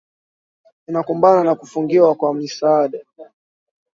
inakumbana na kufungiwa kwa misaada